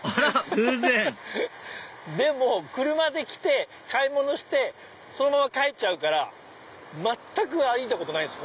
偶然でも車で来て買い物してそのまま帰っちゃうから全く歩いたことないです